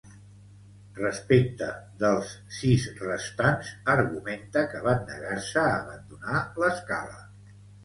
Respecte dels sis restants, argumenta que ‘van negar-se a abandonar l’escala’.